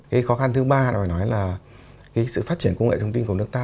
kế khoan thứ ba là phải nói là sự phát triển công nghệ hướng tin của nước ta